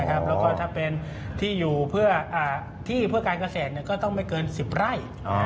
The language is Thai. แล้วก็ถ้าเป็นที่อยู่เพื่อที่เพื่อการเกษตรก็ต้องไม่เกิน๑๐ไร่